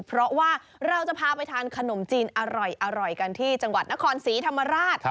เพราะว่าเราจะพาไปทานขนมจีนอร่อยกันที่จังหวัดนครศรีธรรมราช